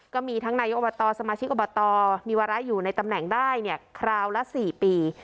ก็มีทั้งนายกอบตสมาชิกอบตมีวาระอยู่ในตำแหน่งได้เนี่ยคราวละ๔ปี